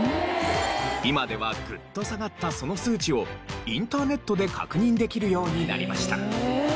今ではグッと下がったその数値をインターネットで確認できるようになりました。